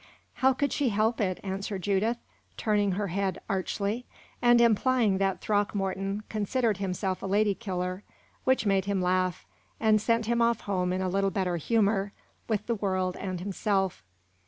"How could she help it?" answered Judith, turning her head archly, and implying that Throckmorton considered himself a lady killer which made him laugh, and sent him off home in a little better humor with the world and himself.